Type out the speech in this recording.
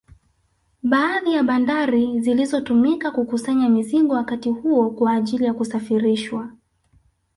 Baadhi ya bandari zilizotumika kukusanya mizigo wakati huo kwa ajili ya kusafirishwa